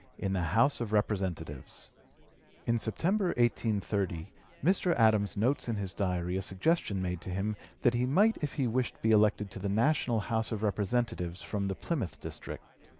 225) IN THE HOUSE OF REPRESENTATIVES In September, 1830, Mr. Adams notes in his Diary a suggestion made to him that he might if he wished be elected to the national House of Representatives from the Plymouth district.